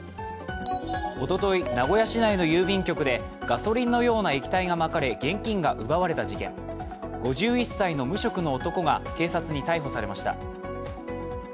おととい、名古屋市内の郵便局でガソリンのような液体がまかれ現金が奪われた事件、５１歳の無職の男が警察に逮捕されました。